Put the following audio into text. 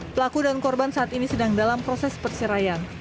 pelaku dan korban saat ini sedang dalam proses perseraian